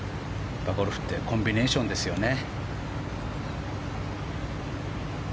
ゴルフってコンビネーションですよね。